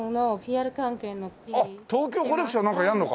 東京コレクションなんかやるのか！